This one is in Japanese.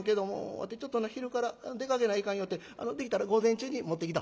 わてちょっとな昼から出かけないかんよってできたら午前中に持ってきと」。